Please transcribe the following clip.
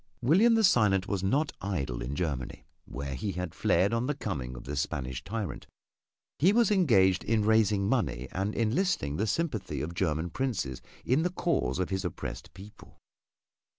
William the Silent was not idle in Germany, where he had fled on the coming of this Spanish tyrant; he was engaged in raising money and enlisting the sympathy of German princes in the cause of his oppressed people.